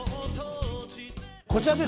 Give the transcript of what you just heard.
こちらです。